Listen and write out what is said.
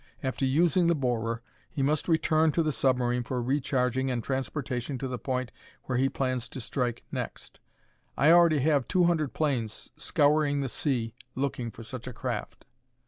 After using the borer he must return to the submarine for recharging and transportation to the point where he plans to strike next. I already have two hundred planes scouring the sea looking for such a craft."